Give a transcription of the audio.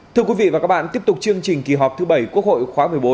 thưa quý vị và các bạn tiếp tục chương trình kỳ họp thứ bảy quốc hội khóa một mươi bốn